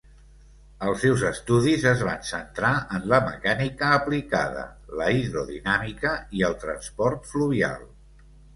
Els seus estudis es van centrar en la mecànica aplicada, la hidrodinàmica i el transport fluvial.